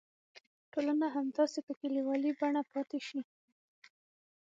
ټولنه همداسې په کلیوالي بڼه پاتې شي.